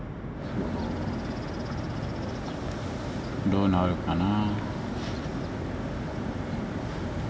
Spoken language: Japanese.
どうなるかな？